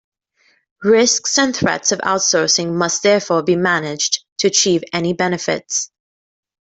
Risks and threats of outsourcing must therefore be managed, to achieve any benefits.